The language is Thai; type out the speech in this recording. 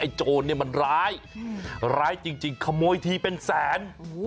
โจรเนี่ยมันร้ายร้ายจริงขโมยทีเป็นแสน